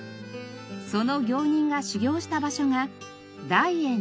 その行人が修行した場所が大圓寺。